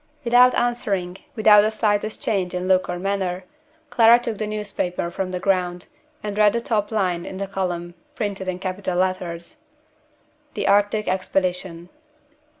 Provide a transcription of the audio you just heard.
Without answering, without the slightest change in look or manner, Clara took the newspaper from the ground, and read the top line in the column, printed in capital letters: THE ARCTIC EXPEDITION.